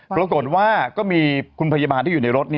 ปรากฏว่าก็มีคุณพยาบาลที่อยู่ในรถ